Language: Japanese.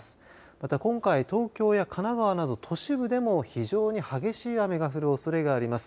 また今回、東京や神奈川など都市部でも非常に激しい雨が降るおそれがあります。